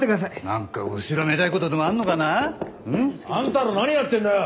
なんか後ろめたい事でもあるのかな？あんたら何やってんだよ！